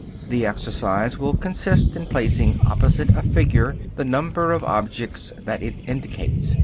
The exercise will consist in placing opposite a figure the number of objects that it indicates.